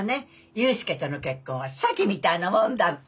悠介との結婚は詐欺みたいなもんだって。